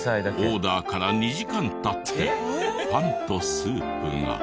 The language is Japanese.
オーダーから２時間経ってパンとスープが。